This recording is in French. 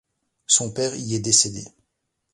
Son père y est décédé.